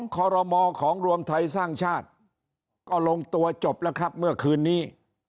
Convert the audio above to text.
คอรมอของรวมไทยสร้างชาติก็ลงตัวจบแล้วครับเมื่อคืนนี้